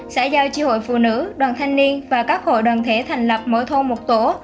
xã giao tri hội phụ nữ đoàn thanh niên và các hội đoàn thể thành lập mỗi thôn một tổ